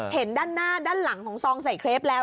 เห็นด้านหน้าด้านหลังของซองใส่เครปแล้ว